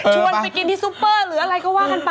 ไปกินที่ซุปเปอร์หรืออะไรก็ว่ากันไป